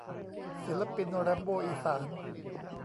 ศิลปิน แรมโบ้อีสาน